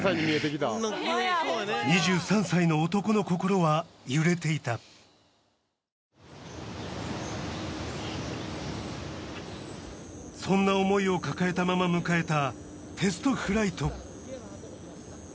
２３歳の男の心は揺れていたそんな想いを抱えたまま迎えた